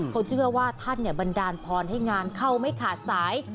เขาเชื่อว่าท่านบันดาลพรให้งานเข้าไม่ขาดสาย